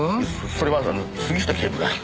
それは杉下警部が。